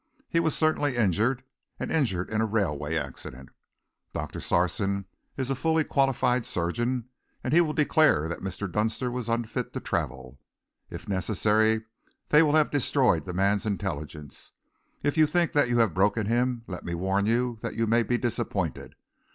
He was certainly injured, and injured in a railway accident. Doctor Sarson is a fully qualified surgeon, and he will declare that Mr. Dunster was unfit to travel. If necessary, they will have destroyed the man's intelligence. If you think that you have him broken, let me warn you that you may be disappointed.